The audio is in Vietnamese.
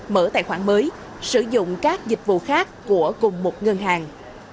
mở tài khoản mới sử dụng các dịch vụ khác của cùng một ngân hàng